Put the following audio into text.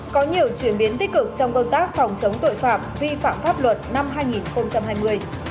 có nhiều chuyển biến tích cực trong công tác phòng chống tội phạm vi phạm pháp luật năm hai nghìn hai mươi